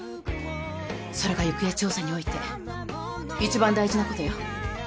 それが行方調査において一番大事なことよ。